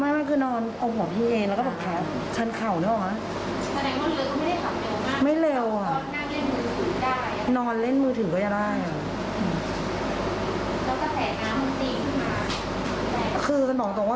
ไม่คือนอนเอาหัวพี่เองแล้วก็แบบแผลชั้นเข่านึกออกไหม